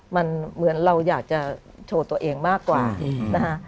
มันเหมือนเราอยากจะโชว์ตัวเองมากกว่านะคะ